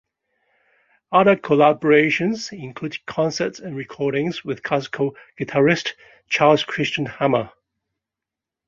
Other collaborations include concerts and recordings with classical guitarist Charles Christian Hammer.